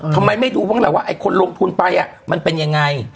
ทำไมไม่ดูว่าไอ้คนลงทุนไปมันเป็นอย่างไร